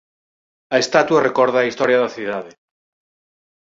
A estatua recorda a historia da cidade.